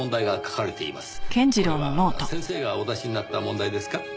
これは先生がお出しになった問題ですか？